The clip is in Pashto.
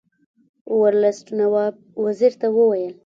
ورلسټ نواب وزیر ته وویل.